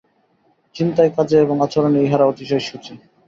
চিন্তায় কাজে এবং আচরণে ইঁহারা অতিশয় শুচি।